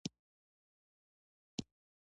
زه پنځه څلوېښت ورځې وروسته د خپلې کورنۍ سره یم.